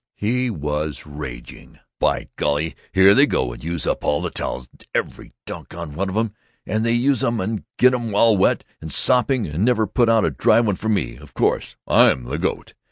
He was raging, "By golly, here they go and use up all the towels, every doggone one of 'em, and they use 'em and get 'em all wet and sopping, and never put out a dry one for me of course, I'm the goat!